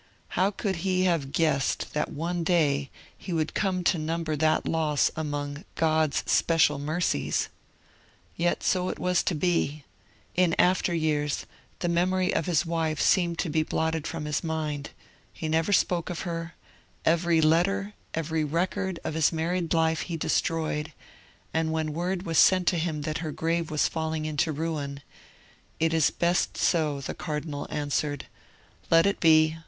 How could he have guessed that one day he would come to number that loss among 'God's special mercies? Yet so it was to be. In after years, the memory of his wife seemed to be blotted from his mind; he never spoke of her; every letter, every record, of his married life he destroyed; and when word was sent to him that her grave was falling into ruin: 'It is best so,' the Cardinal answered, 'let it be.